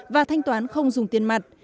và thanh toán không dùng tiền mặt